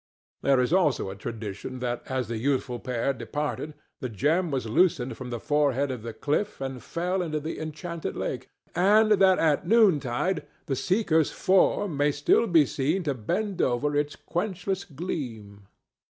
There is also a tradition that as the youthful pair departed the gem was loosened from the forehead of the cliff and fell into the enchanted lake, and that at noontide the Seeker's form may still be seen to bend over its quenchless gleam.